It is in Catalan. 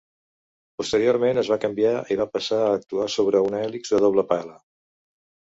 Posteriorment, es va canviar i va passar a actuar sobre una hèlix de doble pala.